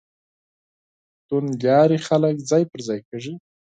توندلاري خلک ځای پر ځای کېږي.